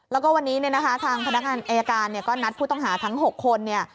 แล้วก็วันนี้เนี่ยนะคะทางพนักงานอายการเนี่ยก็นัดผู้ต้องหาทั้ง๖คนเนี่ย